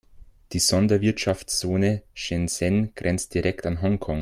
Die Sonderwirtschaftszone Shenzhen grenzt direkt an Hongkong.